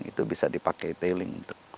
itu bisa dipakai tailing